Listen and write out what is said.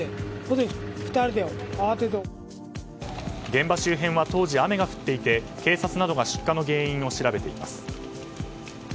現場周辺は当時雨が降っていて警察などが出火の原因を調べています。